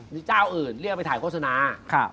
มีเจ้าอื่นเรียกไปถ่ายโฆษณา